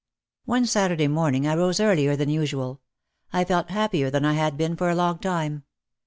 One Saturday morning I rose earlier than usual. I felt happier than I had been for a long time.